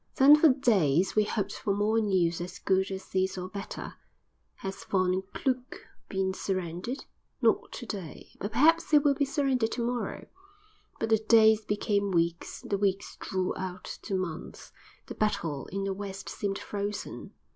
Then for days we hoped for more news as good as this or better. Has Von Kluck been surrounded? Not to day, but perhaps he will be surrounded to morrow. But the days became weeks, the weeks drew out to months; the battle in the West seemed frozen.